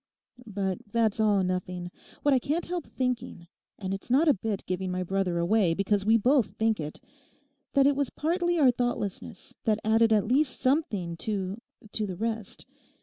But that's all nothing. What I can't help thinking—and it's not a bit giving my brother away, because we both think it—that it was partly our thoughtlessness that added at least something to—to the rest.